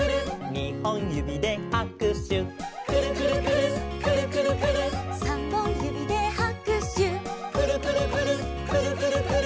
「にほんゆびではくしゅ」「くるくるくるっくるくるくるっ」「さんぼんゆびではくしゅ」「くるくるくるっくるくるくるっ」